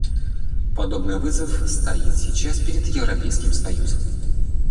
Подобный вызов стоит сейчас перед Европейским союзом.